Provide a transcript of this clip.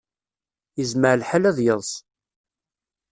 Yezmer lḥal ad yeḍs.